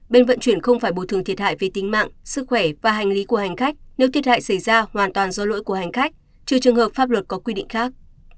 bên vận chuyển không phải bồi thường thiệt hại về tính mạng sức khỏe và hành lý của hành khách nếu thiệt hại xảy ra hoàn toàn do lỗi của hành khách trừ trường hợp pháp luật có quy định khác